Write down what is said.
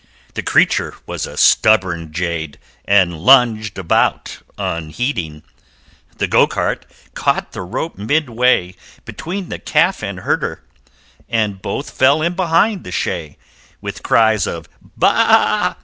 The creature was a stubborn jade And lunged about, unheeding The Go cart caught the rope midway Between the Calf and Herder, And both fell in behind the shay With cries of "Ba a!"